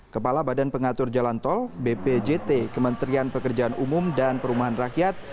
kepala badan pengatur jalan tol bpjt kementerian pekerjaan umum dan perumahan rakyat